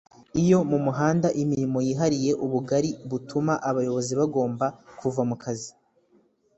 Iyo mu muhanda imirimo yihariye ubugari butuma abayobozi bagomba kuva mu kazi